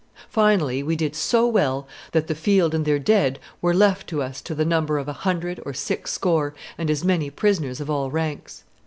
Finally we did so well that the field and their dead were left to us to the number of a hundred or six score, and as many prisoners of all ranks.